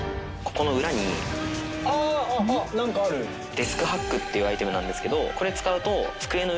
「デスクハック」っていうアイテムなんですけどこれ使うと。